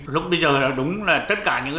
lúc bây giờ là đúng là tất cả những